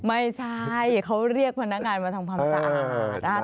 ไม่ใช่เขาเรียกพนักงานมาทำความสะอาด